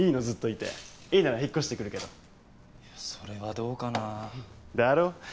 ずっといていいなら引っ越してくるけどいやそれはどうかなだろ？